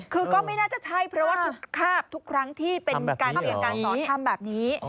คือก็ไม่น่าจะใช่เพราะว่าทุกครั้งที่เป็นการทำแบบนี้